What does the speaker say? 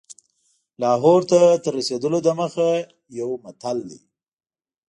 لاهور ته تر رسېدلو دمخه یو متل دی.